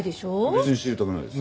別に知りたくないです。